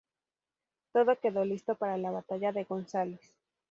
Todo quedó listo para la batalla de González.